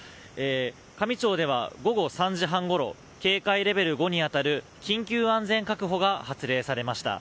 香美町では午後３時半ごろ警戒レベル５に当たる緊急安全確保が発令されました。